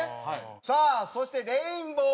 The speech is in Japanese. さあそしてレインボー。